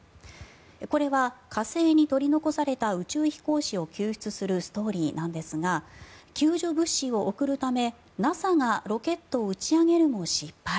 これは火星に取り残された宇宙飛行士を救出するストーリーなんですが救助物資を送るためＮＡＳＡがロケットを打ち上げるも失敗。